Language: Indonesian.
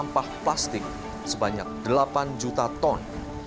sampah plastik sebanyak delapan juta ton